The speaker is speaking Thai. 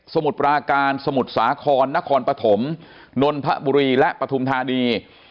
มุดปราการสมุทรสาครนครปฐมนนทบุรีและปฐุมธานี